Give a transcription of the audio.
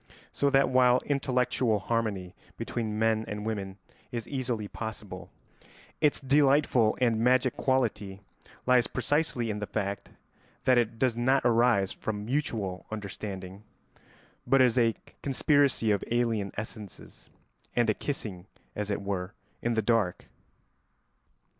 So that while intellectual harmony between men and women is easily possible, its delightful and magic quality lies precisely in the fact that it does not arise from mutual understanding, but is a conspiracy of alien essences and a kissing, as it were, in the dark.